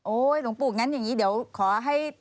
โอ้โฮหลวงปู่อย่างนี้เดี๋ยวขอให้